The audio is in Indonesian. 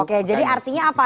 oke jadi artinya apa